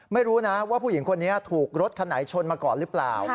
ไม่รู้นะว่าผู้หญิงคนนี้ถูกรถคันไหนชนมาก่อนหรือเปล่า